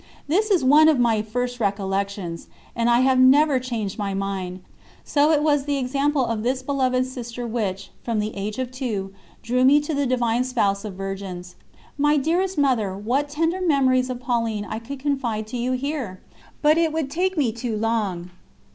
This is one of my first recollections, and I have never changed my mind; so it was the example of this beloved sister which, from the age of two, drew me to the Divine Spouse of Virgins. My dearest Mother, what tender memories of Pauline I could confide to you here! But it would take me too long.